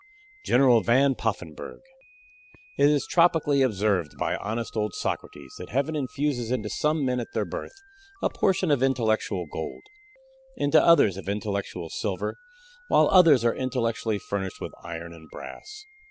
GENERAL VAN POFFENBURGH It is tropically observed by honest old Socrates, that heaven infuses into some men at their birth a portion of intellectual gold, into others of intellectual silver, while others are intellectually furnished with iron and brass.